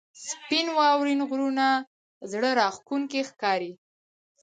• سپین واورین غرونه زړه راښکونکي ښکاري.